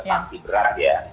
sanksi berat ya